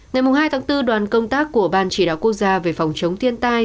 ngày hai tháng bốn đoàn công tác của ban chỉ đạo quốc gia về phòng chống thiên tai